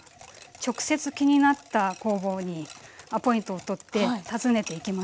直接気になった工房にアポイントを取って訪ねていきました。